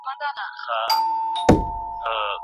که تېز شمال وچلېږي نو د قمرۍ خلی به بیا راولویږي.